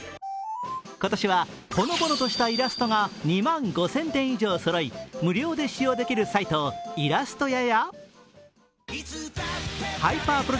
今年はほのぼのとしたイラストが２万５０００点以上そろい無料で使用できるサイトいらすとややハイパー